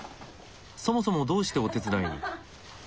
そもそもどうしてお手伝いに？